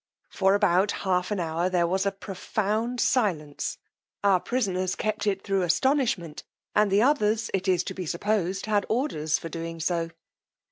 For about half an hour there was a profound silence: our prisoners kept it thro' astonishment; and the others, it is to be supposed, had orders for doing so.